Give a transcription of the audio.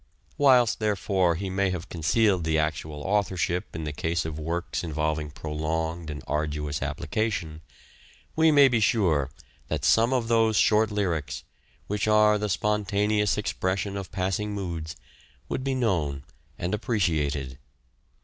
Whilst, therefore, he may have concealed the actual authorship in the case of works involving prolonged and arduous application, we may be sure that some of those short lyrics, which are the spon taneous expression of passing moods, would be known and appreciated.